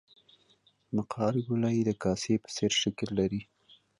مقعر ګولایي د کاسې په څېر شکل لري